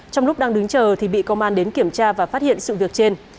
trong lúc đang đứng chờ thì bị công an đến kiểm tra và phát hiện sự việc trên